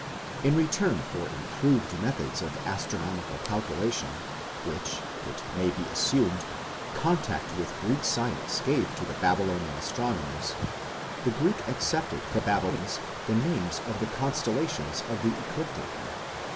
"In return for improved methods of astronomical calculation which," Jastrow says, "it may be assumed (the italics are ours), contact with Greek science gave to the Babylonian astronomers, the Greeks accepted from the Babylonians the names of the constellations of the ecliptic."